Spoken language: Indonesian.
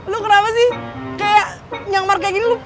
lo kenapa sih kayak nyamar kayak gini